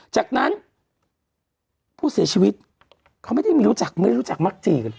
จากนั้นผู้เสียชีวิตเขาไม่ได้มีรู้จักไม่รู้จักมักจีกัน